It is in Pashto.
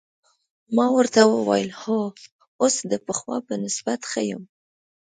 ما ورته وویل: هو، اوس د پخوا په نسبت ښه یم.